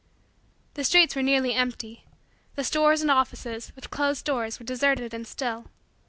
The streets were nearly empty. The stores and offices, with closed doors, were deserted and still.